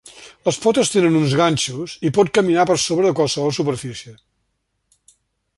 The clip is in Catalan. Les potes tenen uns ganxos i pot caminar per sobre de qualsevol superfície.